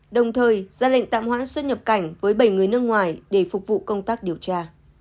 đồng thời ra lệnh tạm hoãn xuất nhập cảnh với bảy người nước ngoài để phục vụ công tác điều tra